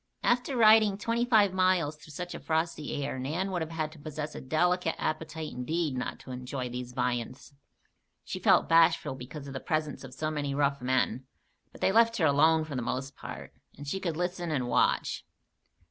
After riding twenty five miles through such a frosty air, Nan would have had to possess a delicate appetite indeed not to enjoy these viands. She felt bashful because of the presence of so many rough men; but they left her alone for the most part, and she could listen and watch.